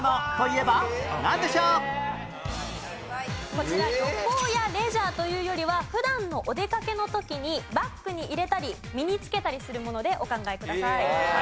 こちら旅行やレジャーというよりは普段のお出かけの時にバッグに入れたり身につけたりするものでお考えください。